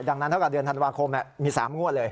ดังนั้นเท่ากับเดือนธันวาคมมี๓งวดเลย